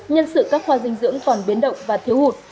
nhân sự các khoa dinh dưỡng còn biến động và thiếu hụt